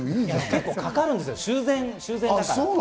結構かかるんですよ、修繕だから。